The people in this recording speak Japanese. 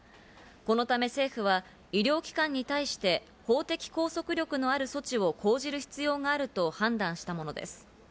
このため政府は医療機関に対して、法的拘束力のある措置を講じる必要があると判断したものです。